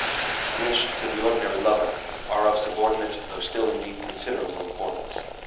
which, to the ordinary lover, are of subordinate though still, indeed, considerable importance.